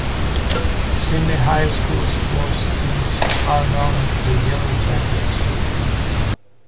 Sidney High School sports teams are known as the Yellow Jackets.